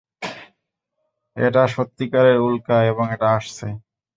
এটা সত্যিকারের উল্কা এবং এটা আসছে!